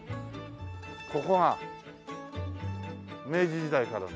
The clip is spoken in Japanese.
ここが明治時代からの。